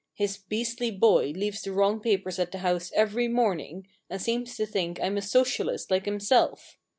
His beastly boy leaves the wrong papers at the house every morning, and seems to think Fm a Socialist like him self.